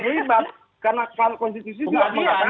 datangnya konstitusional juga